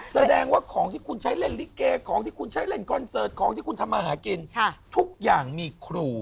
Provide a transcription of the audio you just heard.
แสดงว่าของที่คุณใช้เล่นลิเกของที่คุณใช้เล่นคอนเสิร์ตของที่คุณทำมาหากินทุกอย่างมีครู